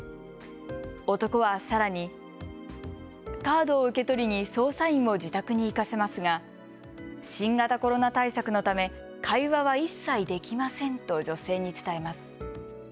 男はさらにカードを受け取りに捜査員を自宅に行かせますが新型コロナ対策のため会話は一切できませんと女性に伝えます。